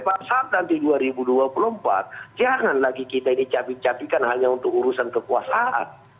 pada saat nanti dua ribu dua puluh empat jangan lagi kita ini cabik capikan hanya untuk urusan kekuasaan